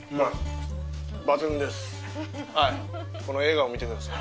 この笑顔見てください。